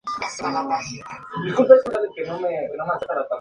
Los albigenses eran adeptos a la secta de los cátaros.